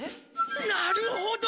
なるほど！